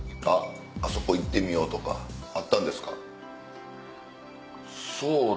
あそこ行ってみよう！とかあったんですか？